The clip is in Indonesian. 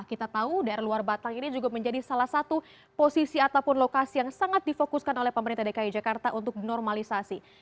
kita tahu daerah luar batang ini juga menjadi salah satu posisi ataupun lokasi yang sangat difokuskan oleh pemerintah dki jakarta untuk dinormalisasi